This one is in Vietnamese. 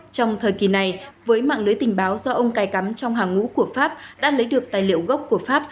trong thời kỳ này với mạng lưới tình báo do ông cài cắm trong hàng ngũ của pháp đã lấy được tài liệu gốc của pháp